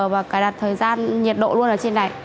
và cài đặt thời gian nhiệt độ luôn ở trên này